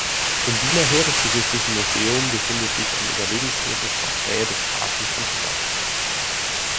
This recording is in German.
Im Wiener Heeresgeschichtlichen Museum befindet sich ein überlebensgroßes Portrait des Grafen von Sporck.